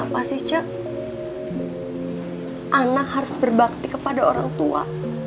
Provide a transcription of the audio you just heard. kenapa gak ada bapak yang harus berbakti kepada orang tua